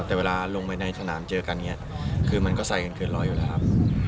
แต่เวลาลงไปในสนามเจอกันอย่างนี้คือมันก็ใส่กันเกินร้อยอยู่แล้วครับ